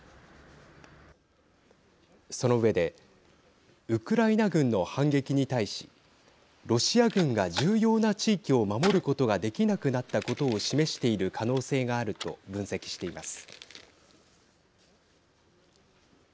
その上でウクライナ軍の反撃に対しロシア軍が重要な地域を守ることができなくなったことを示している可能性があると分析しています。